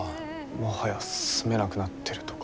もはや住めなくなってるとか。